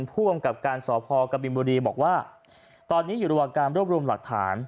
ผู้กำกับการสพกบินบุรีบอกว่าตอนนี้อยู่ระหว่างการรวบรวมหลักฐาน